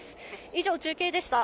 以上、中継でした。